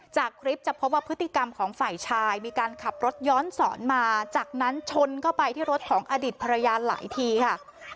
จากคลิปจะพบว่าพฤติกรรมของฝ่ายชายมีการขับรถย้อนสอนมาจากนั้นชนเข้าไปที่รถของอดีตภรรยาหลายทีค่ะ